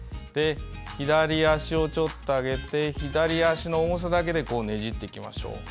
左足をちょっと上げて左足の重さだけでねじっていきましょう。